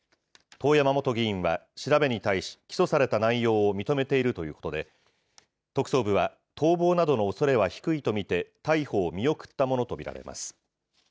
遠山元議員は調べに対し、起訴された内容を認めているということで、特捜部は、逃亡などのおそれは低いと見て、逮捕を見送ったものと見られます。